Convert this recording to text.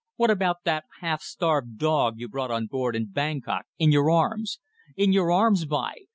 What about that half starved dog you brought on board in Bankok in your arms. In your arms by